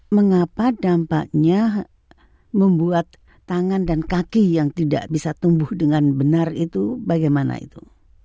mengapa dampaknya membuat tangan dan kaki yang tidak bisa tumbuh dengan benar itu bagaimana itu